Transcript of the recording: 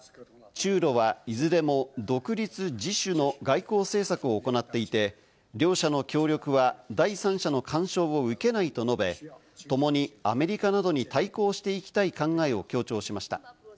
一方、オウ・キ外相は中ロはいずれも独立自主の外交政策を行っていて、両者の協力は第三者の干渉を受けないと述べ、ともにアメリカなどに対抗していきたい考えを強調しました。